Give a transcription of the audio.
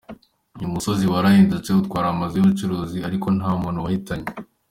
Uyu musozi wararidutse utwara amazu y’ubucuruzi ariko nta muntu wahitanye.